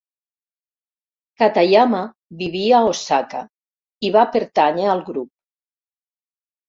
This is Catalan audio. Katayama vivia a Osaka i va pertànyer al grup.